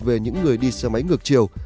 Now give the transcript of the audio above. về những người đi xe máy ngược chiều